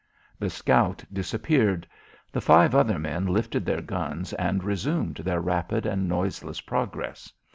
The scout disappeared. The five other men lifted their guns and resumed their rapid and noiseless progress.